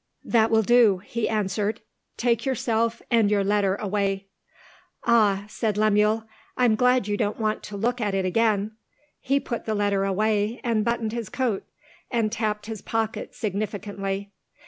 "That will do," he answered. "Take yourself and your letter away." "Ah," said Lemuel, "I'm glad you don't want to look at it again!" He put the letter away, and buttoned his coat, and tapped his pocket significantly.